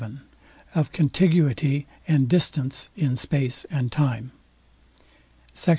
VII OF CONTIGUITY AND DISTANCE IN SPACE AND TIME SECT.